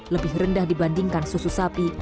lebih rendah dibandingkan susu sapi